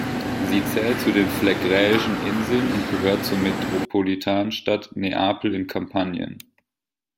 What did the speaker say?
Sie zählt zu den Phlegräischen Inseln und gehört zur Metropolitanstadt Neapel in Kampanien.